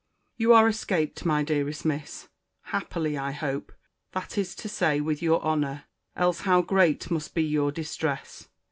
You are escaped, my dearest Miss—happily, I hope—that is to say, with your honour—else, how great must be your distress!